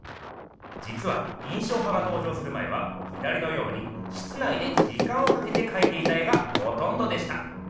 じつは印象派が登場する前は左のように室内で時間をかけてかいていた絵がほとんどでした。